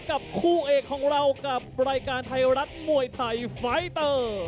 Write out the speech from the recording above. กับคู่เอกของเรากับรายการไทยรัฐมวยไทยไฟเตอร์